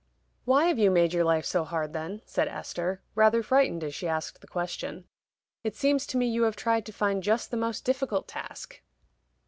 "Why have you made your life so hard then?" said Esther, rather frightened as she asked the question. "It seems to me you have tried to find just the most difficult task."